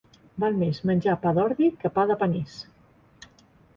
Val més menjar pa d'ordi que pa de panís.